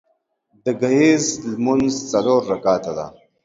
د ګهیځ لمونځ څلور رکعته ده